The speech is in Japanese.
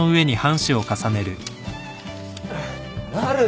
なる！